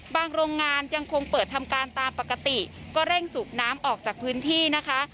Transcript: โรงงานยังคงเปิดทำการตามปกติก็เร่งสูบน้ำออกจากพื้นที่นะคะ